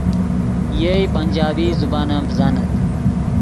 یئے پنجابی زبان ام ڤزانت